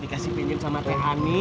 dikasih pinjam sama teh ani